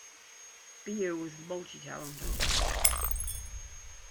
Beer was multi-talented.